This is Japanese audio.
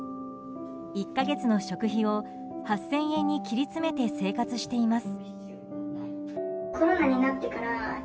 １か月の食費を８０００円に切り詰めて生活しています。